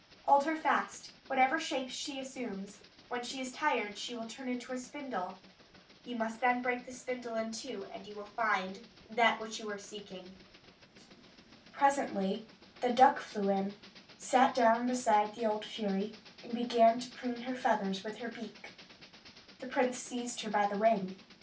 Hold her fast, whatever shapes she assumes; when she is tired she will turn into a spindle; you must then break the spindle in two, and you will find that which you are seeking." [Illustration: THE LITTLE HOUSE TURNS] Presently the duck flew in, sat down beside the old fury, and began to preen her feathers with her beak. The prince seized her by the wing.